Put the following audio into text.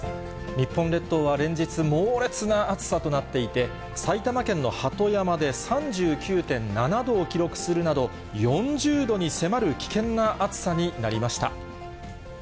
日本列島は連日、猛烈な暑さとなっていて、埼玉県の鳩山で３９．７度を記録するなど、４０度に迫る危険な暑さになりました。